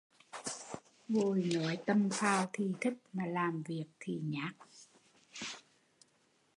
Ngồi nói tầm phào thì thích mà làm việc thì nhác